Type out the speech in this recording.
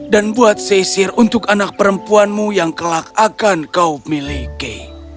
dan buat sisir untuk anak perempuanmu yang kelak akan kau miliki